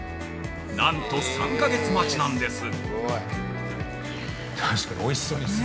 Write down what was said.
なんと、３か月待ちなんです！